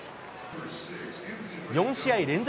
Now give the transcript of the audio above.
４試合連続